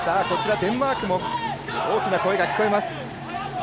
デンマークも大きな声が聞こえます。